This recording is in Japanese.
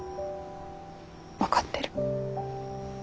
分かってる。